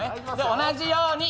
同じように。